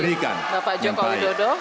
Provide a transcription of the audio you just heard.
terima kasih bapak jokowi dodo